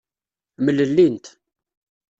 Mlellint.